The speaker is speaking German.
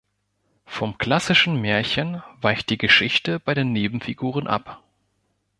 Vom klassischen Märchen weicht die Geschichte bei den Nebenfiguren ab.